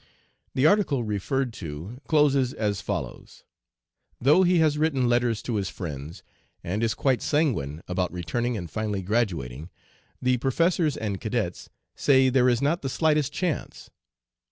The article referred to closes as follows: 'Though he has written letters to his friends, and is quite sanguine about returning and finally graduating, the professors and cadets say there is not the slightest chance.